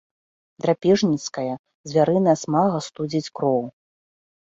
Драпежніцкая звярыная смага студзіць кроў.